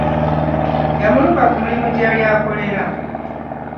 Yamulumba ku mulimu gye yali akolera.